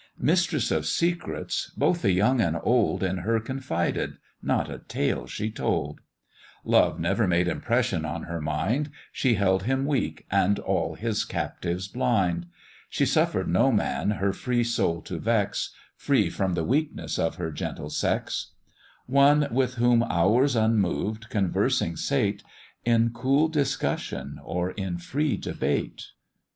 Mistress of secrets, both the young and old In her confided not a tale she told; Love never made impression on her mind, She held him weak, and all his captives blind; She suffer'd no man her free soul to vex, Free from the weakness of her gentle sex; One with whom ours unmoved conversing sate, In cool discussion or in free debate.